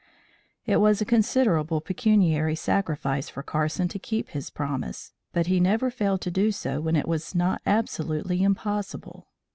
It was a considerable pecuniary sacrifice for Carson to keep his promise, but he never failed to do so, when it was not absolutely impossible.